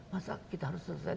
masa kita harus selesai